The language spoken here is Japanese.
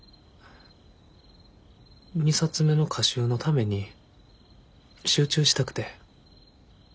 ２冊目の歌集のために集中したくて。